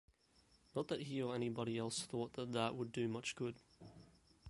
Not that he or anybody else thought that that would do much good.